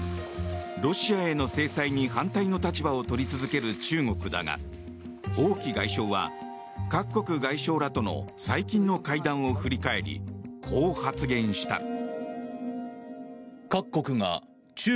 ロシアへの制裁に反対の立場をとり続ける中国だが王毅外相は各国外相らとの最近の会談を振り返りこう発言した。